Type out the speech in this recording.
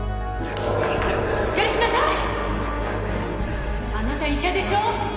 しっかりしなさいあなた医者でしょ！